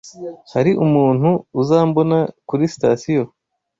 Hari umuntu uzambona kuri sitasiyo?